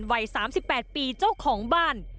วัย๓๘ปีเจ้าของบ้าน